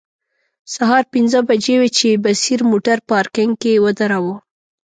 سهار پنځه بجې وې چې بصیر موټر پارکینګ کې و دراوه.